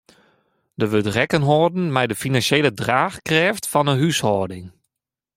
Der wurdt rekken holden mei de finansjele draachkrêft fan 'e húshâlding.